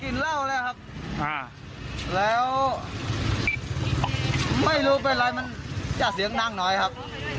เหล้าแล้วครับแล้วไม่รู้เป็นไรมันจะเสียงดังหน่อยครับ